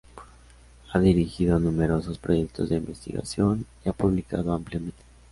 Ha dirigido numerosos proyectos de investigación y ha publicado ampliamente.